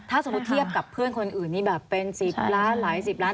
ถ้าสมมุติเทียบกับเพื่อนคนอื่นนี่แบบเป็น๑๐ล้านหลายสิบล้าน